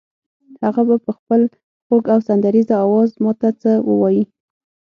هغه به په خپل خوږ او سندریزه آواز ماته څه ووایي.